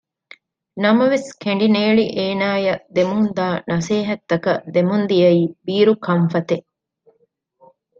ނަމަވެސް ކެނޑިނޭޅި އޭނާއަށް ދެމުންދާ ނަސޭހަތްތަކަށް ދެމުންދިޔައީ ބީރު ކަންފަތެއް